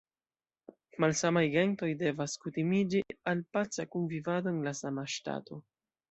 Malsamaj gentoj devas kutimiĝi al paca kunvivado en la sama ŝtato.